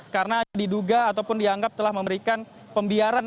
karena diduga ataupun dianggap telah memberikan pembiaran